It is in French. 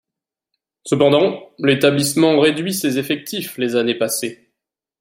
Cependant, l'établissement réduit ses effectifs les années passées.